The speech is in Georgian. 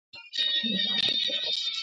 ჰენრი მურს უწოდებენ დამფუძნებლად.